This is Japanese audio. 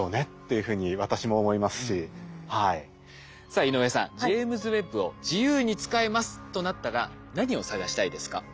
さあ井上さんジェイムズ・ウェッブを自由に使えますとなったら何を探したいですか？